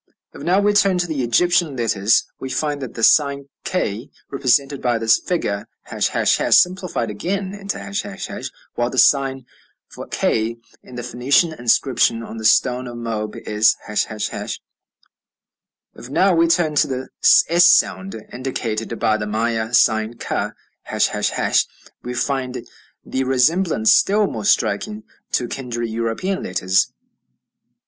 If now we turn to the Egyptian letters we find the sign k represented by this figure ###, simplified again into ###; while the sign for k in the Phoenician inscription on the stone of Moab is ###. If now we turn to the s sound, indicated by the Maya sign ca, ###, we find the resemblance still more striking to kindred European letters.